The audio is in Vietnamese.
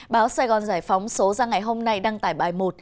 báo sài gòn giải phóng số ra ngày hôm nay đăng tải bài một